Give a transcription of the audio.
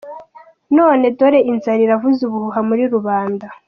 None dore inzara iravuza ubuhuha muri rubanda.